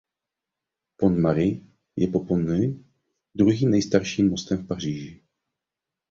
Pont Marie je po Pont Neuf druhým nejstarším mostem v Paříži.